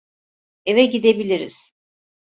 Eve gidebiliriz.